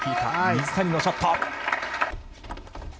水谷のショット。